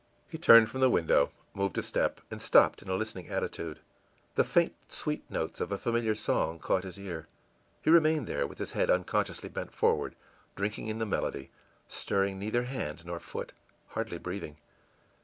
î He turned from the window, moved a step, and stopped in a listening attitude. The faint, sweet notes of a familiar song caught his ear. He remained there, with his head unconsciously bent forward, drinking in the melody, stirring neither hand nor foot, hardly breathing.